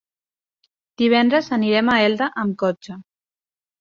Divendres anirem a Elda amb cotxe.